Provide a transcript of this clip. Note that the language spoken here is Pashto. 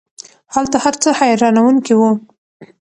هلته هر څه حیرانوونکی وو.